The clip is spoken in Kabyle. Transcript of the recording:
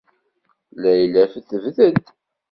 Layla tebded.